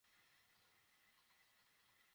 তুমি কি মনে করো পূজা?